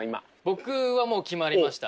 僕はもう決まりました。